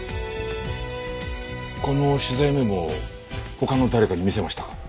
この取材メモを他の誰かに見せましたか？